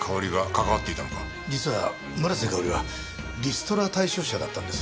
実は村瀬香織はリストラ対象者だったんです。